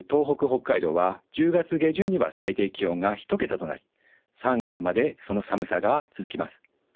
北海道は１０月下旬には最低気温が１桁となり３月までその寒さが続きます。